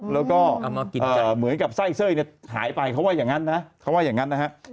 แล้วก็เหมือนกับไส้เส้ยหายไปเขาว่าอย่างนั้นนะ